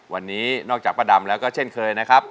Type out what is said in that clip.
วันนี้นอกจากป้าดำแล้วก็เช่นเคยนะครับ